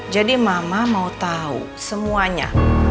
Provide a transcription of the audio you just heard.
jadi mama mau tahu semuanya